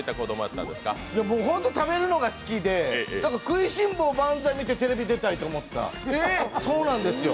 僕、本当に食べるのが好きで「食いしん坊万歳」見てテレビ出たいと思った。